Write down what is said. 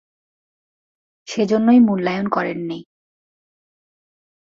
সেজন্যই মূল্যায়ন করেননি।